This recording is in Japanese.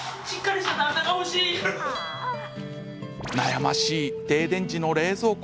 悩ましい停電時の冷蔵庫。